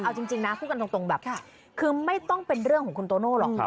เอาจริงนะพูดกันตรงแบบคือไม่ต้องเป็นเรื่องของคุณโตโน่หรอก